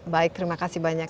baik terima kasih banyak